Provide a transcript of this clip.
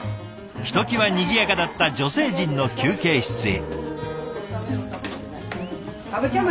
ひときわにぎやかだった女性陣の休憩室へ。